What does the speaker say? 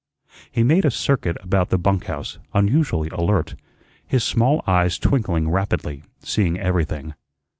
He made a circuit about the bunk house, unusually alert, his small eyes twinkling rapidly, seeing everything.